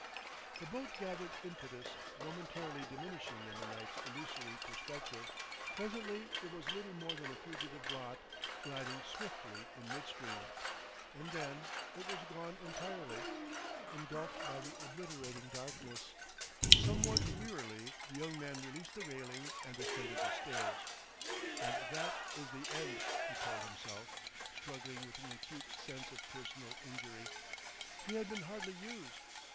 The boat gathered impetus, momentarily diminishing in the night's illusory perspective; presently it was little more than a fugitive blot, gliding swiftly in midstream. And then, it was gone entirely, engulfed by the obliterating darkness. [Illustration: The boat gathered impetus.] Somewhat wearily the young man released the railing and ascended the stairs. "And that is the end!" he told himself, struggling with an acute sense of personal injury. He had been hardly used.